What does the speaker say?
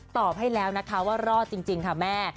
ตอบให้แล้วนะคะว่ารอดจริงค่ะแม่